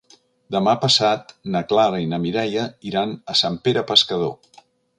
Demà passat na Clara i na Mireia iran a Sant Pere Pescador.